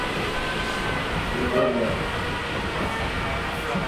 ترویو باب